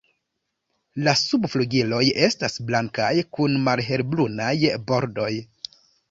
La subflugiloj estas blankaj kun malhelbrunaj bordoj.